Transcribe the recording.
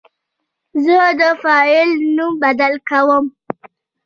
زه د فایل نوم بدل کوم.